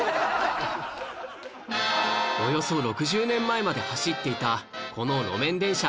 およそ６０年前まで走っていたこの路面電車